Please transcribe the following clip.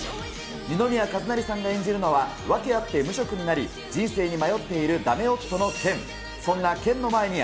二宮和也さんが演じるのは、訳あって無職になり、人生に迷っているだめ夫の健。